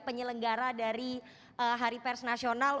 penyelenggara dari hari pers nasional